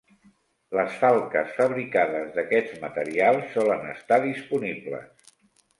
Les falques fabricades d'aquests materials solen estar disponibles.